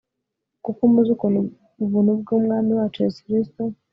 kuko muzi ubuntu bw Umwami wacu Yesu Kristo